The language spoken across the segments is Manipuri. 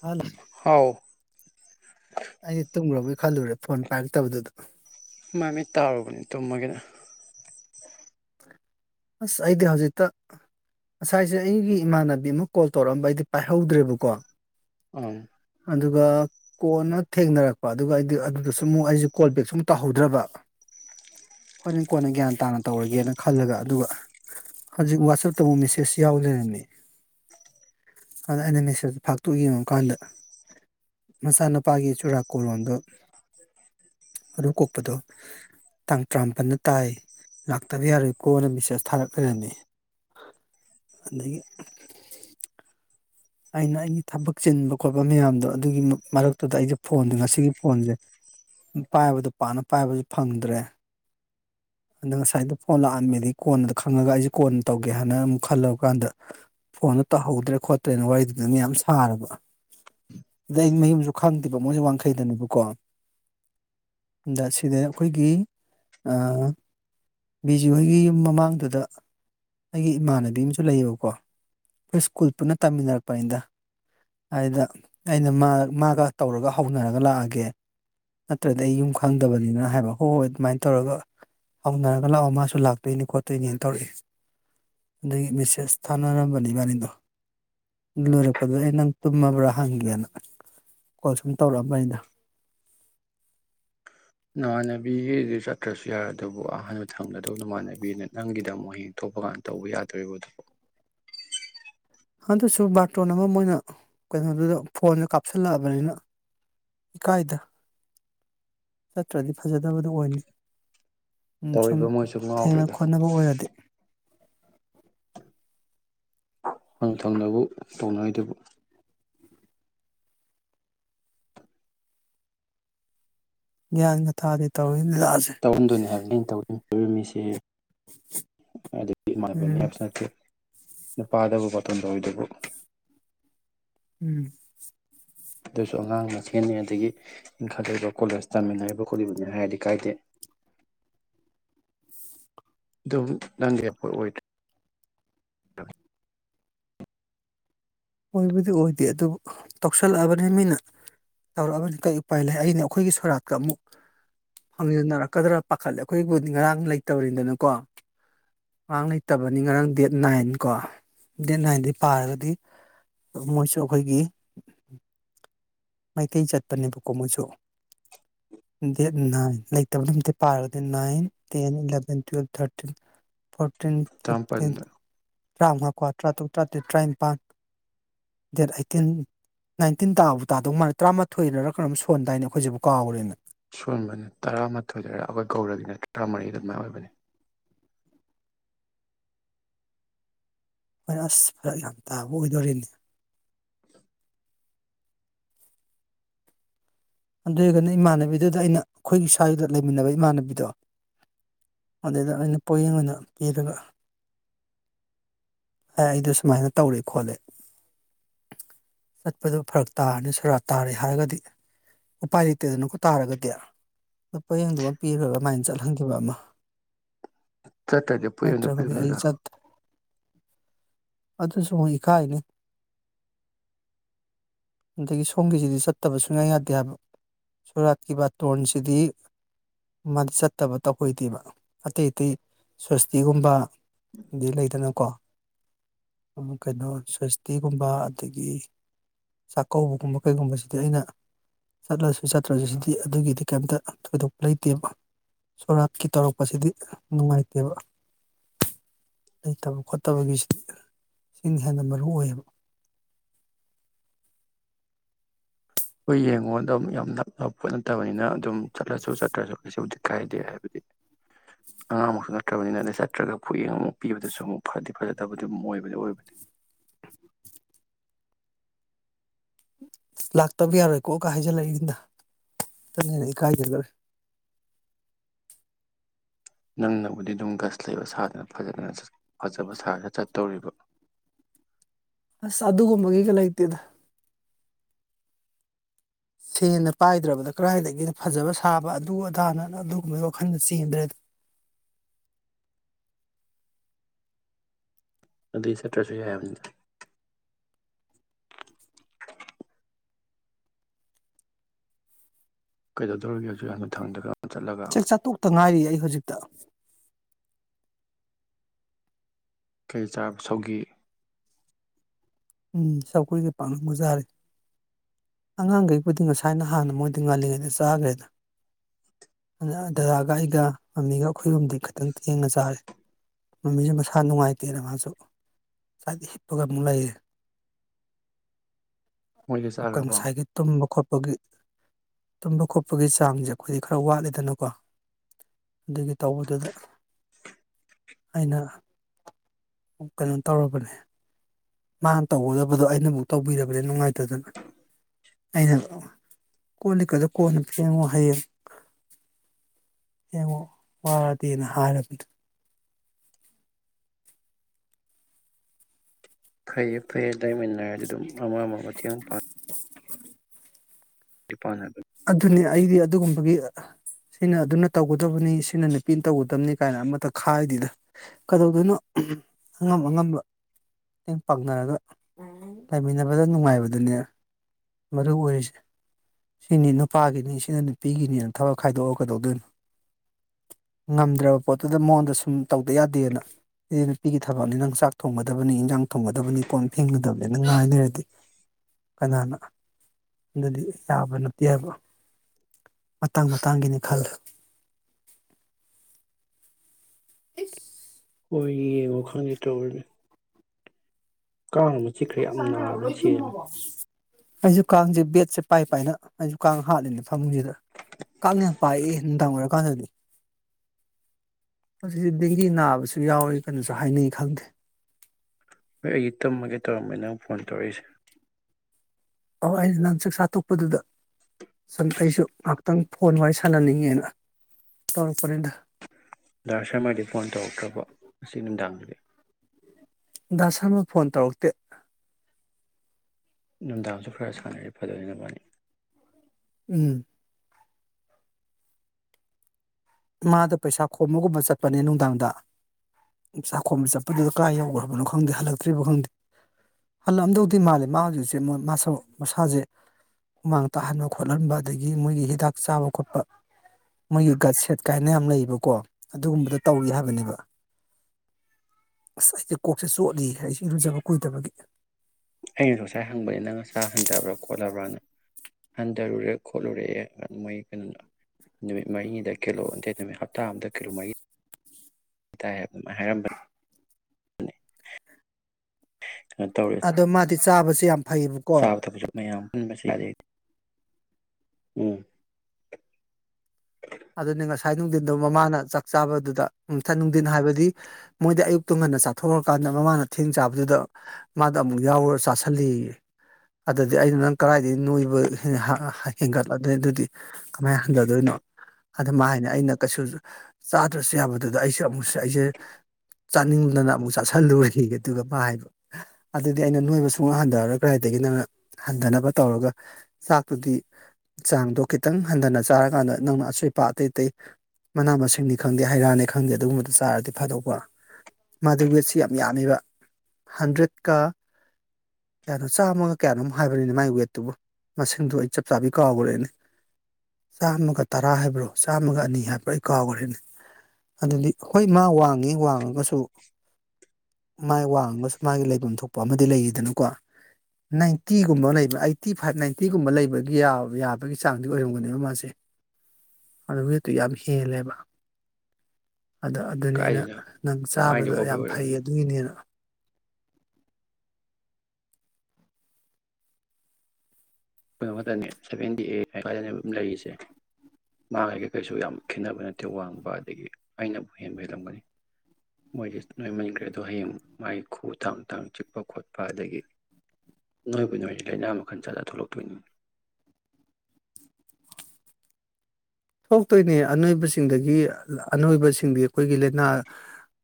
ꯍꯜꯂꯣ ꯍꯥꯎ ꯑꯩꯗꯤ ꯇꯨꯝꯒ꯭ꯔꯕꯣꯏ ꯈꯜꯂꯨꯔꯦ ꯐꯣꯟ ꯄꯥꯏꯔꯛꯇꯕꯗꯨꯗ ꯃꯥꯏ ꯃꯤꯠ ꯇꯥꯔꯨꯕꯅꯤ ꯇꯨꯝꯃꯒꯦꯅ ꯑꯁ ꯑꯩꯗꯤ ꯍꯧꯖꯤꯛꯇ ꯉꯁꯥꯏꯁꯦ ꯑꯩꯒꯤ ꯏꯃꯥꯟꯅꯕꯤ ꯑꯃ ꯀꯣꯜ ꯇꯧꯔꯛꯑꯝꯕ ꯑꯩꯗꯤ ꯄꯥꯏꯍꯧꯗ꯭ꯔꯦꯕꯀꯣ ꯎꯝ ꯑꯗꯨꯒ ꯀꯣꯟꯅ ꯊꯦꯡꯅꯔꯛꯄ ꯑꯗꯨꯒ ꯑꯩꯗꯤ ꯑꯗꯨꯗꯁꯨ ꯑꯃꯨꯛ ꯑꯩꯁꯨ ꯀꯣꯜ ꯕꯦꯛꯁꯨ ꯑꯃꯨꯛ ꯇꯧꯍꯧꯗ꯭ꯔꯕ ꯍꯣꯏꯦꯟ ꯀꯣꯟꯅ ꯒ꯭ꯌꯥꯟ ꯇꯥꯅ ꯇꯧꯔꯒꯦꯅ ꯈꯜꯂꯒ ꯑꯗꯨꯒ ꯍꯧꯖꯤꯛ ꯋꯥꯆꯞꯇ ꯑꯃꯨꯛ ꯃꯦꯁꯦꯖ ꯌꯥꯎ ꯂꯩꯔꯝꯃꯤ ꯑꯗꯨꯅ ꯑꯩꯅ ꯃꯦꯁꯦꯖꯇ ꯐꯥꯛꯇꯣꯛꯑ ꯌꯦꯡꯉꯕꯀꯥꯟꯗ ꯃꯆꯥꯅꯨꯄꯥꯒꯤ ꯆꯨꯔꯥꯀꯣꯟꯗꯣ ꯑꯗꯨ ꯀꯣꯛꯄꯗꯣ ꯇꯥꯡ ꯇꯔꯥꯃꯥꯄꯟꯅ ꯇꯥꯏ ꯂꯥꯛꯇꯕ ꯌꯥꯔꯣꯏꯀꯣꯅ ꯃꯦꯁꯦꯖ ꯊꯥꯔꯛ ꯂꯩꯔꯝꯃꯦ ꯑꯗꯒꯤ ꯑꯩꯅ ꯑꯩꯒꯤ ꯊꯕꯛ ꯆꯤꯟꯕ ꯈꯣꯠꯄ ꯃꯌꯥꯝꯗꯣ ꯑꯗꯨꯒꯤ ꯃꯔꯛꯇꯨꯗ ꯑꯩꯁꯦ ꯐꯣꯟꯗ ꯉꯁꯤꯒꯤ ꯐꯣꯟꯁꯦ ꯄꯥꯏꯕꯗꯣ ꯄꯥꯛꯅ ꯄꯥꯏꯕꯁꯨ ꯐꯪꯗ꯭ꯔꯦ ꯑꯗ ꯉꯁꯥꯏꯗ ꯐꯣꯟ ꯂꯥꯛꯑꯝꯃꯤꯗꯤ ꯀꯣꯟꯅꯗ ꯈꯪꯉꯒ ꯑꯩꯁꯦ ꯀꯣꯟꯅ ꯇꯧꯒꯦ ꯍꯥꯏꯅ ꯑꯃꯨꯛ ꯈꯜꯂꯕ ꯀꯥꯟꯗ ꯐꯣꯟꯗꯣ ꯇꯧꯍꯧꯗ꯭ꯔꯦ ꯈꯣꯠꯇ꯭ꯔꯦꯅ ꯋꯥꯔꯤꯗꯨꯗꯅ ꯌꯥꯝ ꯁꯥꯔꯕ ꯑꯗ ꯑꯩ ꯃꯌꯨꯝꯁꯨ ꯈꯪꯗꯦꯕ ꯃꯣꯏꯁꯨ ꯋꯥꯡꯈꯩꯗꯅꯦꯕꯀꯣ ꯑꯗ ꯁꯤꯗ ꯑꯩꯈꯣꯏꯒꯤ ꯑꯥ ꯕꯤ ꯖꯤꯨ ꯍꯣꯏꯒꯤ ꯌꯨꯝ ꯃꯃꯥꯡꯗꯨꯗ ꯑꯩꯒꯤ ꯏꯃꯥꯟꯅꯕꯤ ꯑꯃꯁꯨ ꯂꯩꯌꯦꯕꯀꯣ ꯑꯩꯈꯣꯏ ꯁ꯭ꯀꯨꯜ ꯄꯨꯟꯅ ꯇꯝꯃꯤꯟꯅꯔꯛꯄꯅꯤꯗ ꯍꯥꯏꯗ ꯑꯩꯅ ꯃꯥꯒ ꯇꯧꯔꯒ ꯍꯧꯅꯔꯒ ꯂꯥꯛꯑꯒꯦ ꯅꯠꯇ꯭ꯔꯗꯤ ꯑꯩ ꯌꯨꯝ ꯈꯪꯗꯕꯅꯤꯅ ꯍꯥꯏꯕ ꯍꯣꯏ ꯍꯣꯏ ꯑꯗꯨꯃꯥꯏꯅ ꯇꯧꯔꯒ ꯍꯧꯅꯔꯒ ꯂꯥꯛꯑꯣ ꯃꯥꯁꯨ ꯂꯥꯛꯇꯣꯏꯅꯤ ꯈꯣꯠꯇꯣꯏꯅꯤꯅ ꯇꯧꯔꯛꯏ ꯑꯗꯨꯒꯤ ꯃꯦꯁꯦꯁ ꯊꯥꯅꯔꯝꯕꯅꯤ ꯏꯕꯥꯅꯤꯗꯣ ꯂꯣꯏꯔꯛꯄꯗꯨꯗ ꯑꯩ ꯅꯪ ꯇꯨꯝꯃꯕ꯭ꯔꯥ ꯍꯪꯒꯦꯅ ꯀꯣꯜ ꯁꯨꯝ ꯇꯧꯔꯛꯑꯝꯕꯅꯤꯗ ꯅꯃꯥꯟꯅꯕꯤꯒꯤꯗꯤ ꯆꯠꯇ꯭ꯔꯁꯨ ꯌꯥꯔꯗꯨꯕꯨ ꯑꯍꯥꯟꯕ ꯊꯝꯒꯗꯧꯕ ꯅꯃꯥꯟꯅꯕꯤꯅ ꯅꯪꯒꯤꯗ ꯑꯃꯨꯛ ꯍꯌꯦꯡ ꯊꯣꯛꯄ ꯀꯥꯟꯗ ꯇꯧꯕ ꯌꯥꯗꯣꯔꯤꯕꯣ ꯑꯗꯨꯕꯨ ꯑꯗꯨꯁꯨ ꯕꯥꯔꯇꯣꯟ ꯑꯃ ꯃꯣꯏꯅ ꯀꯩꯅꯣꯗꯨꯗ ꯐꯣꯟꯗ ꯀꯥꯞꯁꯤꯜꯂꯛꯑꯕꯅꯤꯅ ꯏꯀꯥꯏꯗ ꯆꯠꯇ꯭ꯔꯗꯤ ꯐꯖꯗꯕꯗꯨ ꯑꯣꯏꯅꯤ ꯎꯝ ꯁꯨꯝ ꯇꯧꯔꯤꯕ ꯃꯣꯏꯁꯨ ꯊꯦꯡꯅ ꯉꯥꯎꯈ꯭ꯔꯦꯗ ꯈꯣꯠꯅꯕ ꯑꯣꯏꯔꯗꯤ ꯐꯣꯟ ꯊꯝꯃꯒꯦ ꯇꯧꯅꯔꯤꯗꯨꯕꯨ ꯒꯌꯥꯟꯒ ꯇꯥꯗꯦ ꯇꯧꯔꯤ ꯂꯤꯂꯥꯁꯦ ꯇꯧꯍꯟꯗꯣꯏꯅꯦ ꯍꯥꯏꯕꯗꯤ ꯇꯧꯅꯨ ꯍꯥꯏꯕꯝꯃꯤꯁꯦ ꯎꯝ [unintelligible] ꯅꯨꯄꯥꯗꯕꯨ ꯕꯥꯔꯇꯣꯟ ꯇꯧꯏꯗꯨꯕꯨ ꯎꯝ ꯑꯗꯨꯁꯨ ꯑꯉꯥꯡ ꯃꯁꯦꯅꯤꯩ ꯑꯗꯒꯤ ꯏꯟꯈꯠꯂꯛꯏꯕ ꯀꯣꯂꯦꯖ ꯇꯝꯃꯤꯟꯅꯔꯤꯕ ꯈꯣꯠꯂꯤꯕꯅꯤ ꯍꯥꯏꯔꯗꯤ ꯀꯥꯏꯗꯦ ꯑꯗꯨꯕꯨ ꯅꯪ ꯂꯦꯞꯄ ꯑꯣꯏꯗ꯭ꯔꯦ [unintelligible] ꯑꯣꯏꯕꯨꯗꯤ ꯑꯣꯏꯗꯦ ꯑꯗꯨꯕꯨ ꯇꯧꯁꯜꯂꯛꯑꯕꯅꯤ ꯃꯤꯅ ꯇꯧꯔꯛꯑꯕꯅꯤ ꯀꯔꯤ ꯎꯄꯥꯏ ꯂꯩ ꯑꯩꯅ ꯑꯩꯈꯣꯏꯒꯤ ꯁꯣꯔꯥꯠꯀ ꯑꯃꯨꯛ ꯐꯥꯡꯖꯤꯟꯅꯔꯛꯀꯗ꯭ꯔꯥ ꯄꯥꯈꯠꯂꯦ ꯑꯩꯈꯣꯏꯕꯨꯗꯤ ꯉꯔꯥꯡ ꯂꯩꯇꯕꯅꯤꯗꯅꯀꯣ ꯉꯔꯥꯡ ꯂꯩꯇꯕꯅꯤ ꯉꯔꯥꯡ ꯗꯦꯠ ꯅꯥꯏꯟ ꯀꯣ ꯗꯦꯠ ꯅꯥꯏꯟꯗꯩ ꯄꯥꯔꯒꯗꯤ ꯃꯣꯏꯁꯨ ꯑꯩꯈꯣꯏꯒꯤ ꯃꯩꯇꯩ ꯆꯠꯄꯅꯦꯕꯀꯣ ꯃꯣꯏꯁꯨ ꯗꯦꯠ ꯅꯥꯏꯟ ꯂꯩꯇꯕ ꯑꯠꯇꯩ ꯄꯥꯔꯒꯗꯤ nine ten eleven twelve thirteen fourteen fifteen ꯇꯔꯥꯃꯥꯄꯜꯗ ꯇꯔꯥꯃꯉꯥ ꯀꯣ ꯇꯔꯥ ꯇꯔꯨꯛ ꯇꯔꯥꯇꯔꯦꯠ ꯇꯔꯥꯅꯤꯄꯥꯟ ꯗꯦꯠ ꯑꯩꯠꯇꯤꯟ ꯅꯥꯏꯟꯇꯤꯟ ꯇꯥꯕꯨ ꯇꯥꯗꯧ ꯃꯥꯜꯂꯦ ꯇꯔꯥꯃꯥꯊꯣꯏꯗꯔ ꯀꯩꯅꯣꯝ ꯁꯣꯟꯗꯥꯏꯅꯤ ꯑꯩꯈꯣꯏꯁꯤꯕꯨ ꯀꯥꯎꯈꯔꯦꯅꯦ ꯁꯣꯟꯕꯅꯦ ꯇꯔꯥꯃꯥꯊꯣꯏꯗꯔ ꯑꯈꯣꯏ ꯒꯧꯔꯒꯤꯅ ꯇꯔꯥꯃꯔꯤꯗ ꯑꯗꯨꯃꯥꯏ ꯑꯣꯏꯕꯅꯤ ꯑꯩꯅ ꯑꯁ ꯐꯔꯛ ꯌꯥꯝ ꯇꯥꯕ ꯑꯣꯏꯗꯧꯔꯤꯅꯦ ꯑꯗꯨ ꯑꯣꯏꯔꯒꯅ ꯏꯃꯥꯟꯅꯕꯤꯗꯨꯗ ꯑꯩꯅ ꯑꯩꯈꯣꯏꯒꯤ ꯁ꯭ꯋꯥꯏꯗ ꯂꯩꯃꯤꯟꯅꯕ ꯏꯃꯥꯟꯅꯕꯤꯗꯣ ꯑꯗꯨꯗ ꯑꯩꯅ ꯄꯣꯌꯦꯡ ꯑꯣꯏꯅ ꯄꯤꯔꯒ ꯑꯩꯗꯣ ꯁꯨꯃꯥꯏꯅ ꯇꯧꯔꯦ ꯈꯣꯠꯂꯦ ꯆꯠꯄꯗꯣ ꯐꯔꯛ ꯇꯥꯔꯅꯤ ꯁꯣꯔꯠ ꯇꯥꯔꯦ ꯍꯥꯏꯔꯒꯗꯤ ꯎꯄꯥꯏ ꯂꯩꯇꯦꯗꯅꯀꯣ ꯇꯥꯔꯒꯗꯤ ꯑꯗꯣ ꯄꯌꯦꯡꯗꯨ ꯑꯃ ꯄꯤꯔꯒ ꯑꯗꯨꯃꯥꯏꯅ ꯆꯠꯍꯟꯈꯤꯕ ꯑꯃ ꯆꯇ꯭ꯔꯗꯤ ꯄꯨꯌꯦꯡꯗꯣ ꯅꯠꯇ꯭ꯔꯒꯗꯤ ꯑꯩ ꯄꯤꯔꯨꯔꯅꯨꯅ ꯆꯠ ꯑꯗꯨꯁꯨ ꯑꯃꯨꯛ ꯏꯀꯥꯏꯅꯦ ꯑꯗꯒꯤ ꯁꯣꯝꯒꯤꯁꯤꯗꯤ ꯆꯠꯇꯕ ꯁꯨꯡꯌꯥꯥ ꯌꯥꯗꯦ ꯍꯥꯏꯕ ꯁꯨꯔꯥꯠꯀꯤ ꯕꯥꯇꯣꯟꯁꯤꯗꯤ ꯃꯥꯗꯤ ꯆꯠꯇꯕ ꯇꯧꯍꯩꯗꯦꯕ ꯑꯇꯩ ꯑꯇꯩ ꯁꯣꯏꯁꯇꯤꯒꯨꯝꯕ ꯗꯤ ꯂꯩꯗꯅꯀꯣ ꯀꯩꯅꯣ ꯁꯣꯏꯁꯇꯤꯒꯨꯝꯕ ꯑꯗꯒꯤ ꯆꯥꯛꯀꯧꯕꯒꯨꯝꯕ ꯀꯩꯒꯨꯝꯕꯁꯤꯗꯤ ꯑꯩꯅ ꯆꯠꯂꯁꯨ ꯆꯠꯇ꯭ꯔꯁꯨ ꯁꯤꯗꯤ ꯑꯗꯨꯒꯤꯗꯤ ꯀꯦꯝꯇ ꯊꯣꯏꯗꯣꯛꯄ ꯂꯩꯇꯦꯕ ꯁꯣꯔꯥꯠꯀꯤ ꯇꯧꯔꯛꯄꯁꯤꯗꯤ ꯅꯨꯡꯉꯥꯏꯇꯦꯕ ꯂꯩꯇꯕ ꯈꯣꯠꯇꯕꯒꯤꯁꯤꯗꯤ ꯁꯤꯅ ꯍꯦꯟꯅ ꯃꯔꯨ ꯑꯣꯏꯌꯦꯕ ꯍꯣꯏ ꯌꯦꯡꯉꯣ ꯑꯗꯣ ꯌꯥꯝ ꯅꯞꯅꯕ ꯄꯣꯠ ꯅꯠꯇꯕꯅꯤꯅ ꯑꯗꯨꯝ ꯆꯠꯂꯁꯨ ꯆꯠꯇ꯭ꯔꯁꯨ ꯀꯩꯁꯨꯕꯨꯗꯤ ꯀꯥꯏꯗꯦ ꯍꯥꯏꯕꯗꯤ ꯑꯉꯥꯡꯃꯛꯁꯨ ꯅꯠꯇ꯭ꯔꯕꯅꯤꯅ ꯆꯠꯇ꯭ꯔꯒ ꯄꯨꯌꯦꯡ ꯑꯃꯨꯛ ꯄꯤꯕꯗꯨꯁꯨ ꯑꯃꯨꯛ ꯐꯗꯤ ꯐꯖꯗꯕꯗꯨꯝ ꯑꯣꯏꯕꯗꯤ ꯑꯣꯏꯕꯅꯤ ꯂꯥꯛꯇꯕ ꯌꯥꯔꯣꯏꯀꯣ ꯍꯥꯏꯖꯜꯂꯛꯏꯅꯤꯗ ꯑꯗꯨꯅ ꯍꯦꯟꯅ ꯏꯀꯥꯏꯖꯒꯔꯦ ꯅꯪꯅꯕꯨꯗꯤ ꯑꯗꯨꯝ ꯒꯁ ꯂꯩꯕ ꯁꯥꯗꯅꯅ ꯐꯖꯅ ꯐꯖꯕ ꯁꯥꯔꯒ ꯆꯠꯇꯧꯔꯤꯕ ꯑꯁ ꯑꯗꯨꯒꯨꯝꯕꯒꯤꯒ ꯂꯩꯇꯦꯗ ꯁꯦꯅ ꯄꯥꯏꯗ꯭ꯔꯕꯗ ꯀꯗꯥꯏꯗꯒꯤꯅꯣ ꯐꯖꯕ ꯁꯥꯕ ꯑꯗꯨ ꯑꯗꯥꯅꯥꯅ ꯑꯗꯨꯒꯨꯝꯕꯒꯤ ꯋꯥꯈꯜꯗ ꯆꯦꯟꯗ꯭ꯔꯦꯗ ꯑꯗꯨꯏ ꯆꯠꯇ꯭ꯔꯁꯨ ꯌꯥꯏ ꯍꯥꯏꯕꯅꯤꯗ ꯀꯩꯗꯧꯗꯧꯔꯤꯒꯦ ꯍꯩꯖꯤꯛ ꯍꯅꯨꯊꯪꯗꯒ ꯆꯥꯛ ꯆꯥ ꯇꯣꯛꯇ ꯉꯥꯏꯔꯤꯌꯦ ꯑꯩ ꯍꯧꯖꯤꯛ ꯇ ꯀꯩ ꯆꯥꯕ ꯁꯧꯒꯤ ꯎꯝ ꯁꯧꯚ꯭ꯔꯤꯒ ꯄꯥꯛꯅꯝꯒ ꯆꯥꯔꯦ ꯑꯉꯥꯡꯈꯩꯕꯨꯗꯤ ꯉꯁꯥꯏꯅ ꯍꯥꯟꯅ ꯃꯣꯏꯗꯤ ꯉꯜꯂꯤꯉꯩꯗ ꯆꯥꯒ꯭ꯔꯦꯗ ꯑꯗ ꯗꯗꯥꯒ ꯑꯩꯒ ꯃꯃꯤꯒ ꯑꯩꯈꯣꯏ ꯑꯍꯨꯝꯗꯤ ꯈꯇꯪ ꯊꯦꯡꯅ ꯆꯥꯔꯦ ꯃꯥꯃꯤꯁꯨ ꯃꯁꯥ ꯅꯨꯡꯉꯥꯏꯇꯦꯅ ꯃꯥꯁꯨ ꯁꯥꯏꯗꯩ ꯍꯤꯞꯄꯒ ꯑꯃꯨꯛ ꯂꯩꯔꯦ ꯃꯣꯏꯗꯤ ꯆꯥꯈ꯭ꯔꯕꯣ ꯀꯟꯁꯥꯏꯗꯩ ꯇꯨꯝꯕ ꯈꯣꯠ ꯑꯣꯒꯤ ꯇꯨꯝꯕ ꯈꯣꯠꯄꯒꯤ ꯆꯥꯡꯁꯦ ꯑꯩꯈꯣꯏꯗꯤ ꯈꯔ ꯋꯥꯠꯂꯦꯗꯅꯀꯣ ꯑꯗꯨꯒꯤ ꯇꯧꯕꯗꯨꯗ ꯑꯩꯅ ꯀꯩꯅꯣ ꯇꯧꯔꯕꯅꯦ ꯃꯥꯅ ꯇꯧꯒꯗꯕꯗꯣ ꯑꯩꯅꯕꯨ ꯇꯧꯕꯤꯔꯕꯅꯦ ꯅꯨꯡꯉꯥꯏꯇꯗꯅ ꯑꯩꯅ ꯑꯣ ꯀꯣꯜ ꯂꯤꯀꯗ ꯀꯣꯟꯅ ꯐꯦꯡꯉꯣ ꯍꯌꯦꯡ ꯌꯦꯡꯉꯣ ꯋꯥꯔꯗꯤꯅ ꯍꯥꯏꯔꯕꯅꯤ ꯐꯩꯌꯦ ꯐꯩꯌꯦ ꯂꯩꯃꯤꯟꯅꯔꯗꯤ ꯑꯗꯨꯝ ꯑꯃꯅ ꯃꯇꯦꯡ ꯄꯥꯡ ꯗꯤꯄꯅꯥꯢꯕ [unintelligible] ꯑꯗꯨꯅꯤ ꯑꯩꯒꯤ ꯑꯗꯨꯒꯨꯝꯕꯒꯤ ꯁꯤꯅ ꯑꯗꯨꯅ ꯇꯧꯒꯗꯕꯅꯤ ꯁꯤꯅ ꯅꯨꯄꯤꯅ ꯇꯧꯒꯗꯕꯅꯤ ꯀꯥꯏꯅ ꯑꯃꯇ ꯈꯥꯏꯔꯤꯗꯦꯗ ꯀꯩꯗꯧꯗꯣꯏꯅꯣ ꯑꯉꯝ ꯑꯉꯝꯕ ꯃꯇꯦꯡ ꯄꯥꯡꯅꯔꯒ ꯂꯩꯃꯤꯟꯅꯕꯗ ꯅꯨꯡꯉꯥꯏꯕꯗꯨꯅꯦ ꯃꯔꯨ ꯑꯣꯏꯔꯤꯁꯦ ꯁꯤꯅꯤ ꯅꯨꯄꯥꯒꯤꯅꯤ ꯁꯤꯅ ꯅꯨꯄꯤꯒꯤꯅꯤꯅ ꯊꯕꯛ ꯈꯥꯏꯗꯣꯛꯑꯒꯥ ꯀꯩꯗꯧꯗꯣꯏꯅꯣ ꯉꯝꯗ꯭ꯔꯕ ꯄꯣꯠꯇꯨꯗ ꯃꯉꯣꯟꯗ ꯁꯨꯝ ꯇꯧꯗ ꯌꯥꯗꯦꯅ ꯁꯤ ꯅꯨꯄꯤꯒꯤ ꯊꯕꯛꯅꯤ ꯅꯪ ꯆꯥꯛ ꯊꯣꯡꯒꯗꯕꯅꯤ ꯏꯟꯖꯥꯡ ꯊꯣꯡꯒꯗꯕꯅꯤ ꯀꯣꯟ ꯐꯦꯡꯒꯗꯕꯅꯤꯅ ꯉꯥꯏꯅꯔꯗꯤ ꯀꯅꯥꯅ ꯑꯗꯨꯗꯤ ꯌꯥꯕꯅꯣ ꯇꯤ ꯌꯥꯔꯕꯣ ꯃꯇꯥꯡ ꯃꯇꯥꯡꯒꯤꯅꯤ ꯈꯜꯂ ꯢꯁ ꯍꯣꯏ ꯌꯦꯡꯉꯣ ꯈꯪꯗꯦ ꯇꯧꯔꯤꯅꯦ ꯀꯥꯡ ꯆꯤꯛꯈ꯭ꯔꯦ ꯌꯥꯝ ꯅꯥꯕꯅ ꯁꯤꯔꯦ ꯑꯩꯖꯨ ꯀꯥꯡꯁꯦ ꯕꯦꯠꯁꯦ ꯄꯥꯏ ꯄꯥꯏꯅ ꯑꯩꯁꯨ ꯀꯥꯡ ꯍꯥꯠꯂꯤꯅꯦ ꯐꯃꯨꯡꯖꯤꯗ ꯀꯥꯡ ꯌꯥꯝ ꯄꯥꯛꯌꯦ ꯅꯨꯡꯗꯥꯡ ꯋꯥꯏꯔꯝ ꯀꯥꯟꯅꯗꯦ ꯃꯁꯤꯗꯤ ꯗꯦꯡꯒꯤ ꯅꯥꯕꯁꯨ ꯌꯥꯎꯋꯦ ꯀꯩꯅꯁꯨ ꯍꯥꯏꯅꯩ ꯈꯪꯗꯦ ꯍꯣꯏ ꯑꯩ ꯇꯝꯃꯒꯦ ꯇꯧꯔꯝꯕꯅꯤ ꯅꯪ ꯐꯣꯟ ꯇꯧꯔꯛꯏꯁꯦ ꯑꯣ ꯑꯩꯗꯤ ꯅꯪ ꯆꯥꯛ ꯆꯥ ꯇꯣꯛꯄꯗꯨꯗ ꯁꯨꯝ ꯑꯩꯁꯨ ꯉꯥꯏꯍꯥꯛꯇꯪ ꯐꯣꯟ ꯋꯥꯔꯤ ꯁꯥꯟꯍꯟꯅꯤꯡꯉꯦꯅ ꯇꯧꯔꯛꯄꯅꯤꯗ ꯗꯥ ꯁꯔꯃꯗꯤ ꯐꯣꯟ ꯇꯧꯔꯛꯇ꯭ꯔꯕꯣ ꯉꯁꯤ ꯅꯨꯡꯗꯥꯡꯗꯤ ꯗꯥ ꯁ꯭ꯔꯃꯥ ꯐꯣꯟ ꯇꯧꯔꯛꯇꯦ ꯅꯨꯡꯗꯥꯡꯁꯨ ꯈꯔ ꯁꯥꯟꯅꯔꯗꯤ ꯐꯗꯧꯅꯦ ꯅꯕꯅꯤ ꯎꯝ ꯃꯥꯗ ꯄꯩꯁꯥ ꯈꯣꯝꯕꯒꯨꯝꯕ ꯆꯠꯄꯅꯦ ꯅꯨꯡꯗꯥꯡꯗ ꯄꯩꯁꯥ ꯈꯣꯝꯕ ꯆꯠꯄꯗꯨꯗ ꯀꯥꯏ ꯌꯧꯈ꯭ꯔꯕꯅꯣ ꯈꯪꯗꯦ ꯍꯜꯂꯛꯇ꯭ꯔꯤꯕꯅꯣ ꯈꯪꯗꯦ ꯍꯜꯂꯛꯑꯝꯗꯧꯗꯤ ꯃꯥꯜꯂꯦ ꯃꯥ ꯍꯧꯖꯤꯛꯁꯦ ꯃꯥꯁꯨ ꯃꯁꯥꯁꯦ ꯃꯥꯁꯥꯖꯦ ꯍꯨꯃꯥꯡ ꯇꯥꯍꯟꯕ ꯈꯣꯠꯍꯟꯕ ꯑꯗꯒꯤ ꯃꯣꯏꯒꯤ ꯍꯤꯗꯥꯛ ꯆꯥꯕ ꯈꯣꯠꯄ ꯃꯣꯏꯒꯤ ꯒꯠ ꯁꯦꯠ ꯀꯥꯏꯅ ꯌꯥꯝ ꯂꯩꯌꯦꯕꯀꯣ ꯑꯗꯨꯒꯨꯝꯕꯗ ꯇꯧꯏ ꯍꯥꯏꯕꯅꯦꯕ ꯑꯁ ꯑꯩꯁꯦ ꯀꯣꯛꯁꯦ ꯆꯣꯠꯂꯤ ꯈꯔ ꯁꯤꯡ ꯂꯨꯖꯕ ꯀꯨꯏꯗꯕꯒꯤ ꯑꯩꯅꯁꯨ ꯉꯁꯥꯏ ꯍꯪꯕꯅꯤ ꯅꯪ ꯅꯁꯥ ꯍꯟꯊꯕ꯭ꯔ ꯈꯣꯠꯂꯕ꯭ꯔꯅ ꯍꯟꯊꯔꯨꯔꯦ ꯈꯣꯠꯂꯨꯔꯦ ꯃꯣꯏ ꯀꯩꯅꯣꯗ ꯅꯨꯃꯤꯠ ꯃꯔꯤꯅꯤꯗ ꯀꯤꯂꯣ ꯗꯩ ꯍꯞꯇ ꯑꯗ ꯀꯤꯂꯣ ꯃꯔꯤ ꯇꯥꯢ ꯑꯃꯥꯢ ꯍꯥꯏꯔꯝꯕꯅꯦ ꯑꯗꯣ ꯃꯥꯗꯤ ꯆꯥꯕꯁꯦ ꯌꯥꯝ ꯐꯩꯌꯦꯕꯀꯣ ꯆꯥꯕ ꯊꯛꯁꯨ ꯃꯌꯥꯝ ꯄꯨꯟꯕꯁꯨ ꯌꯥꯗꯦ ꯎꯝ [inaudible] ꯑꯗꯨꯅꯤ ꯉꯁꯥꯏ ꯅꯨꯡꯊꯤꯟꯗꯣ ꯃꯃꯥꯅ ꯆꯥꯛ ꯆꯥꯕꯗꯨꯗ ꯉꯥꯁꯥꯏ ꯅꯨꯡꯊꯤꯟ ꯍꯥꯏꯕꯗꯤ ꯃꯣꯏꯗꯤ ꯑꯌꯨꯛꯇꯨꯡ ꯉꯟꯅ ꯆꯥꯊꯣꯛꯀꯥꯟꯗ ꯃꯃꯥꯅ ꯊꯦꯡ ꯆꯥꯕꯗꯨꯗ ꯃꯥꯗꯣ ꯑꯃꯨꯛ ꯌꯥꯎꯔ ꯆꯥꯥꯁꯜꯂꯤꯌꯦ ꯑꯗꯨꯗꯤ ꯑꯩꯅ ꯅꯪ ꯀꯗꯥꯏꯗꯒꯤ ꯅꯣꯏꯕ ꯍꯦꯟꯒꯠꯂꯗꯣꯏ ꯑꯗꯨꯗꯤ ꯀꯃꯥꯏꯅ ꯍꯟꯊꯗꯣꯏꯅꯣ ꯑꯗ ꯃꯥꯢꯅ ꯑꯩꯅ ꯀꯩꯁꯨ ꯆꯥꯗ꯭ꯔꯁꯨ ꯌꯥꯕꯗꯨꯗ ꯑꯩꯁꯨ ꯑꯃꯨꯛꯁꯨ ꯑꯩꯁꯦ ꯆꯥꯅꯤꯡꯗꯅ ꯑꯃꯨꯛ ꯆꯥꯁꯤꯜꯂꯨꯔꯦꯌꯦ ꯑꯗꯨꯒ ꯃꯥ ꯍꯥꯏꯕ ꯑꯗꯨꯗꯤ ꯑꯩꯅ ꯅꯣꯏꯕ ꯁꯨꯡ ꯍꯟꯊꯔ ꯀꯥꯏꯗꯒꯤ ꯅꯪꯅ ꯍꯟꯊꯅꯕ ꯇꯧꯔꯒ ꯆꯥꯛꯇꯨꯗꯤ ꯆꯥꯡꯗꯣ ꯈꯤꯇꯪ ꯍꯟꯊꯅ ꯆꯥꯔꯀꯥꯟꯗ ꯅꯪꯅ ꯑꯁꯣꯏ ꯑꯄꯥ ꯑꯇꯩ ꯑꯇꯩ ꯃꯅꯥ ꯃꯁꯤꯡꯅꯤ ꯈꯪꯗꯦ ꯍꯩꯔꯥꯅꯤ ꯈꯪꯗꯦ ꯑꯗꯨꯒꯨꯝꯕꯗꯨ ꯆꯥꯔꯗꯤ ꯐꯥꯗꯧꯕ ꯃꯥꯗꯤ ꯋꯦꯠꯁꯤ ꯌꯥꯝ ꯌꯥꯝꯃꯤꯕ ꯍꯟꯗ꯭ꯔꯦꯠꯀ ꯀꯌꯥꯅꯣ ꯆꯥꯝꯃꯒ ꯀꯌꯥꯅꯣꯝ ꯍꯥꯏꯕꯅꯤꯅꯦ ꯃꯥꯒꯤ ꯋꯦꯠꯇꯨꯕꯨ ꯃꯁꯤꯡꯗꯨ ꯑꯩ ꯆꯞ ꯆꯥꯕꯤ ꯀꯥꯎꯈ꯭ꯔꯦꯅꯦ ꯆꯥꯝꯃꯒ ꯇꯔꯥ ꯍꯥꯏꯕ꯭ꯔꯣ ꯆꯥꯝꯃꯒ ꯑꯅꯤ ꯍꯥꯏꯕ꯭ꯔꯣ ꯑꯩ ꯀꯥꯎꯈ꯭ꯔꯦꯅꯦ ꯑꯗꯨꯗꯤ ꯍꯣꯏ ꯃꯥ ꯋꯥꯡ ꯃꯤ ꯋꯥꯡꯉꯒꯁꯨ ꯃꯥꯏ ꯋꯥꯡꯃꯁꯨ ꯃꯥꯒꯤ ꯂꯩꯐꯝ ꯊꯣꯛꯄ ꯑꯃꯗꯤ ꯂꯩꯔꯤꯗꯅꯀꯣ ꯅꯥꯏꯟꯇꯤꯒꯨꯝꯕ ꯂꯩꯕ ꯑꯩꯇꯤꯐꯥꯏꯞ ꯅꯥꯏꯟꯇꯤꯒꯨꯝꯕ ꯂꯩꯕꯒꯤ ꯌꯥꯕꯒꯤ ꯆꯥꯡꯗꯤ ꯑꯣꯏꯔꯝꯒꯅꯤꯕ ꯃꯥꯁꯦ ꯑꯗꯨ ꯋꯦꯠꯇꯨ ꯌꯥꯝ ꯍꯦꯜꯂꯦꯕ ꯑꯗ ꯑꯗꯨꯅꯤ ꯑꯩꯅ ꯀꯥꯏꯗꯅꯣ ꯅꯪ ꯃꯥꯏꯗꯤ ꯆꯥꯕꯗꯣ ꯑꯣꯕꯔ ꯌꯥꯝ ꯐꯩ ꯑꯣꯏꯔꯕꯅꯤ ꯑꯗꯨꯒꯤꯅꯦꯅ ꯀꯩꯅꯣꯃꯛꯇꯅꯤ ꯁꯕꯦꯟ ꯄꯦ ꯍꯥꯏ ꯑꯃ ꯂꯩꯔꯤꯁꯦ ꯃꯥꯒ ꯑꯩꯒ ꯀꯩꯁꯨ ꯌꯥꯝ ꯈꯦꯠꯅꯕ ꯅꯠꯇꯦ ꯋꯥꯡꯕ ꯑꯗꯒꯤ ꯑꯩꯅꯕꯨ ꯍꯦꯟꯕꯨ ꯍꯦꯜꯂꯝꯒꯅꯤ ꯃꯣꯏꯁꯦ ꯅꯣꯏꯃꯟꯈ꯭ꯔꯦ ꯑꯗꯣ ꯍꯌꯦꯡ ꯃꯥꯒꯤ ꯈꯨ ꯇꯥꯡ ꯇꯥꯡ ꯆꯤꯛꯄ ꯈꯣꯠꯄ ꯑꯗꯒꯤ ꯅꯣꯏꯕꯨ ꯅꯣꯏ ꯂꯥꯏꯅ ꯃꯈꯜ ꯖꯥꯠ ꯖꯥꯠ ꯊꯣꯛꯂꯛ [unintelligible] ꯊꯣꯛꯇꯣꯏꯅꯦ ꯑꯅꯣꯏꯕꯁꯤꯡꯗꯒꯤ ꯑꯅꯣꯏꯕꯁꯤꯡꯗꯤ ꯑꯩꯈꯣꯏꯒꯤ ꯂꯩꯅ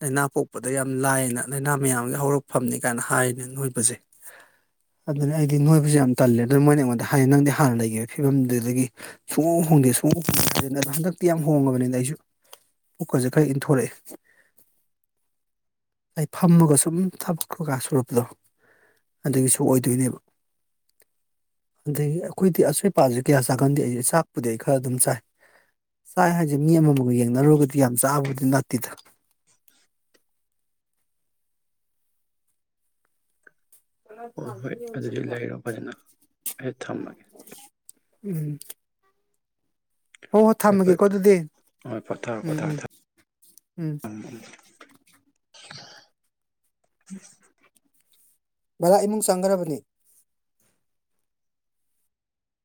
ꯂꯥꯏꯅ ꯄꯣꯛꯄꯗ ꯌꯥꯝ ꯂꯥꯏꯅ ꯂꯥꯏꯅ ꯃꯌꯥꯝꯒꯤ ꯍꯧꯔꯛꯐꯝꯅꯤ ꯀꯥꯏꯅ ꯍꯥꯏꯗꯨ ꯅꯣꯏꯕꯁꯦ ꯑꯗꯨꯅ ꯑꯩꯗꯤ ꯅꯣꯏꯕꯁꯦ ꯌꯥꯝ ꯇꯜꯂꯦ ꯑꯗꯨ ꯃꯣꯏꯅ ꯑꯩꯉꯣꯟꯗ ꯍꯥꯏꯅꯦ ꯅꯪꯗꯤ ꯍꯥꯟꯅ ꯂꯩꯈꯤꯕ ꯐꯤꯕꯝꯗꯨꯗꯒꯤ ꯁꯨꯡꯍꯣꯡ ꯍꯣꯡꯗꯦ ꯁꯨꯡꯍꯣꯡ [unintelligible] ꯍꯟꯗꯛꯇꯤ ꯌꯥꯝ ꯍꯣꯡꯉꯕꯅꯤꯗ ꯑꯩꯁꯨ ꯄꯨꯛꯀꯁꯦ ꯈꯔ ꯏꯟꯊꯣꯔꯛꯑꯦ ꯑꯩ ꯐꯝꯃꯒ ꯁꯨꯝ ꯊꯕꯛ ꯀꯩꯀꯥ ꯁꯨꯔꯛꯄꯗꯣ ꯑꯗꯨꯒꯤꯁꯨ ꯑꯣꯏꯗꯣꯏꯅꯦꯕ ꯑꯗꯒꯤ ꯑꯩꯈꯣꯏꯗꯤ ꯑꯆꯣꯏꯄꯥꯁꯦ ꯀꯌꯥ ꯆꯥꯒꯟꯗꯦ ꯑꯩꯁꯦ ꯆꯥꯛꯄꯨꯗꯤ ꯑꯩ ꯈꯔ ꯑꯗꯨꯝ ꯆꯥꯏ ꯆꯥꯏ ꯍꯥꯏꯁꯦ ꯃꯤ ꯑꯃꯃꯒ ꯌꯦꯡꯅꯔꯨꯔꯒꯗꯤ ꯌꯥꯝ ꯆꯥꯕꯕꯨꯗꯤ ꯅꯠꯇꯦꯗ ꯍꯣꯏ ꯍꯣꯏ ꯑꯗꯨꯗꯤ ꯂꯩꯔꯣ ꯐꯖꯅ ꯑꯩ ꯊꯝꯃꯒꯦ ꯎꯝ ꯍꯣꯏ ꯍꯣꯏ ꯊꯝꯃꯒꯦꯀꯣ ꯑꯗꯨꯗꯤ ꯍꯣꯏ ꯄꯣꯊꯥꯔꯣ ꯎꯝ ꯄꯣꯊꯥꯔꯣ ꯎꯝ ꯊꯝ ꯎꯝ [inaudible] ꯕꯂꯥ ꯏꯃꯨꯡ ꯆꯪꯈ꯭ꯔꯕꯅꯤ